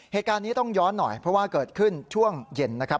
เหตุการณ์นี้ต้องย้อนหน่อยเพราะว่าเกิดขึ้นช่วงเย็นนะครับ